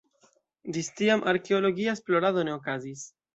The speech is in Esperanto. Ĝis tiam arkeologia esplorado ne okazis.